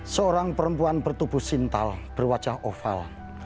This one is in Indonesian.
seorang perempuan bertubuh sintal berwajah oval